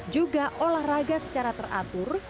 juga olahraga secara teratur